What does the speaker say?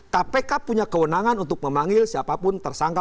kpk punya kewenangan untuk memanggil siapapun tersangka